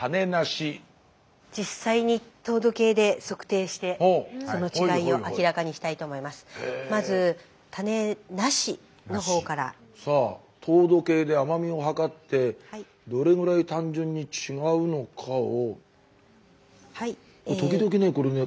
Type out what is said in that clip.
実際にさあ糖度計で甘みを測ってどれぐらい単純に違うのかを。